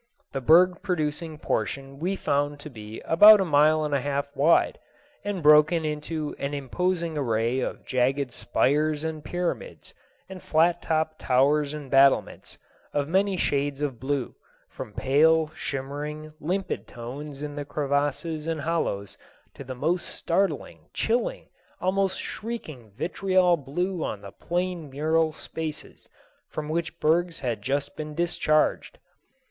The berg producing portion we found to be about a mile and a half wide, and broken into an imposing array of jagged spires and pyramids, and flat topped towers and battlements, of many shades of blue, from pale, shimmering, limpid tones in the crevasses and hollows, to the most startling, chilling, almost shrieking vitriol blue on the plain mural spaces from which bergs had just been discharged.